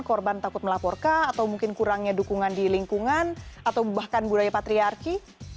korban takut melaporkah atau mungkin kurangnya dukungan di lingkungan atau bahkan budaya patriarki